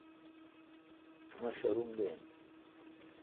مہ شاروم دین۔